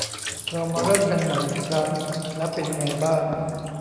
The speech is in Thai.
เรามาเริ่มกันใหม่อีกครั้งแล้วเป็นไงบ้าง ?